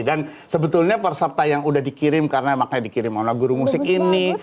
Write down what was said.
dan sebetulnya perserta yang udah dikirim karena makanya dikirim sama guru musik ini